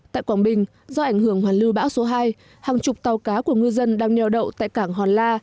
tại quảng bình do ảnh hưởng hoàn lưu bão số hai hàng chục tàu cá của ngư dân đang neo đậu tại cảng hòn la